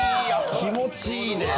気持ちいいね。